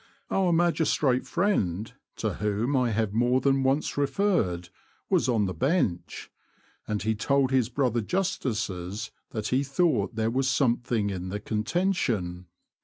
Our magistrate friend — to whom I have more than once re ferred — was on the bench, and he told his brother Justices that he thought there was something in the contention.